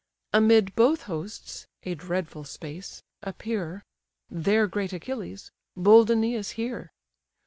Amid both hosts (a dreadful space) appear, There great Achilles; bold Æneas, here.